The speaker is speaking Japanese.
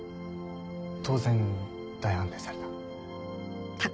当然大反対された？